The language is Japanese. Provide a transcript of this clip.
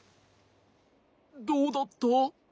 どうだった？